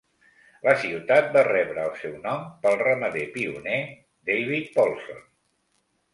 La ciutat va rebre el seu nom pel ramader pioner David Polson.